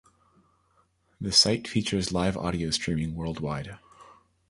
The site features live audio streaming worldwide.